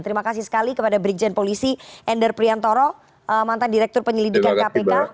terima kasih sekali kepada brigjen polisi endar priantoro mantan direktur penyelidikan kpk